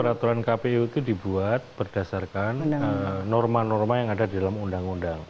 peraturan kpu itu dibuat berdasarkan norma norma yang ada di dalam undang undang